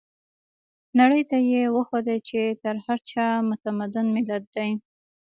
نړۍ ته يې وښوده چې تر هر چا متمدن ملت دی.